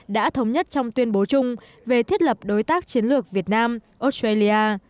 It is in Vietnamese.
đã thống nhất trong tuyên bố chung về thiết lập đối tác chiến lược việt nam australia